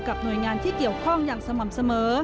หน่วยงานที่เกี่ยวข้องอย่างสม่ำเสมอ